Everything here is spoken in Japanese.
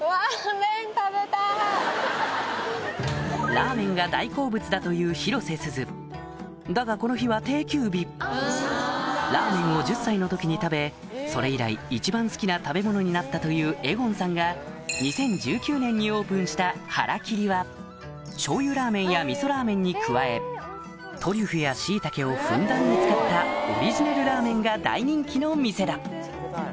ラーメンが大好物だという広瀬すずだがこの日は定休日ラーメンを１０歳の時に食べそれ以来一番好きな食べ物になったというエゴンさんが２０１９年にオープンした「ＨＡＲＡ−ＫＩＲＩ」は醤油ラーメンやみそラーメンに加えトリュフやしいたけをふんだんに使ったオリジナルラーメンが大人気の店だ